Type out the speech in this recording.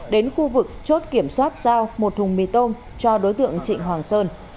đến khu vực chốt kiểm soát giao một thùng mì tôm cho đối tượng trịnh hoàng sơn